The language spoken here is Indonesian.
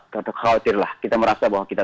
khawatir lah kita merasa bahwa kita